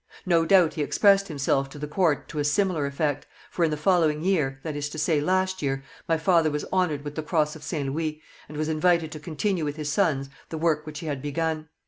No doubt he expressed himself to the court to a similar effect, for in the following year, that is to say last year, my father was honoured with the Cross of St Louis, and was invited to continue with his sons the work which he had begun.